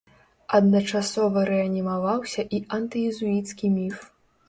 Адначасова рэанімаваўся і антыезуіцкі міф.